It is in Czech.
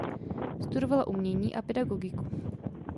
Studovala umění a pedagogiku.